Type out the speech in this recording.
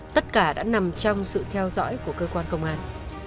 tất cả đã nằm trong sự theo dõi của cơ quan công an